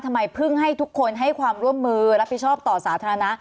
ทำไมเพิ่งให้ทุกคนให้ความร่วมมือรับผิดชอบต่อสาธารณะ